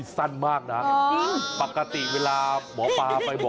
สามวัน